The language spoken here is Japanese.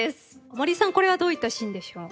森さんこれはどういったシーンでしょう？